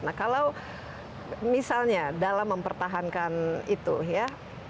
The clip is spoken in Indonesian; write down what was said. nah kalau misalnya dalam mempertahankan itu ya